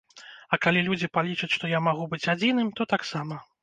А калі людзі палічаць, што я магу быць адзіным, то таксама.